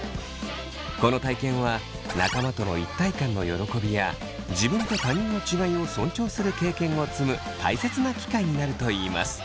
この体験は仲間との一体感の喜びや自分と他人の違いを尊重する経験を積む大切な機会になるといいます。